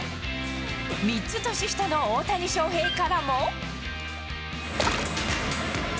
３つ年下の大谷翔平からも。